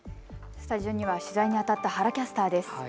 スタジオには取材にあたった原キャスターです。